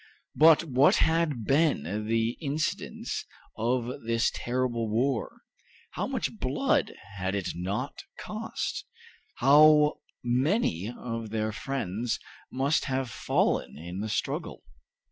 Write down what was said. But what had been the incidents of this terrible war? How much blood had it not cost? How many of their friends must have fallen in the struggle?